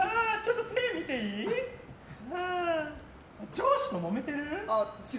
上司ともめてる？